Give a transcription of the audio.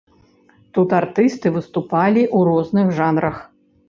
Тут артысты выступалі у розных жанрах.